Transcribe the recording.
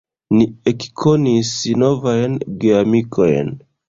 Ni ekkonis novajn geamikojn.